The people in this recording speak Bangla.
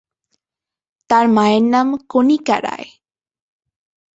তার মায়ের নাম কণিকা রায়।